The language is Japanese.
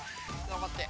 頑張って。